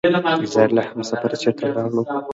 اعزرائيله همسفره چېرته لاړو؟!